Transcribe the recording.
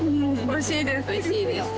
おいしいです。